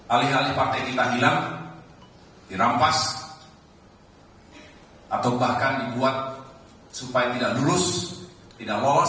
alih alih partai kita hilang dirampas atau bahkan dibuat supaya tidak lulus tidak lolos